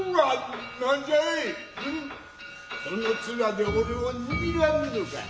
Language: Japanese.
その面で俺をにらむのかい。